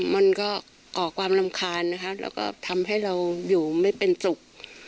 มันก็ก่อความรำคาญนะคะแล้วก็ทำให้เราอยู่ไม่เป็นสุข